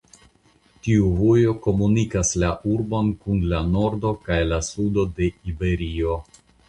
Tiu vojo komunikas la urbon kun la nordo kaj la sudo de Iberio.